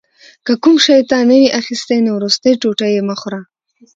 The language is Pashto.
که کوم شی تا نه وي اخیستی نو وروستی ټوټه یې مه خوره.